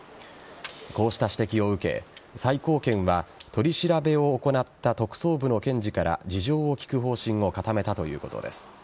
こうした指摘を受け最高検は取り調べを行った特捜部の検事から事情を聴く方針を固めたということです。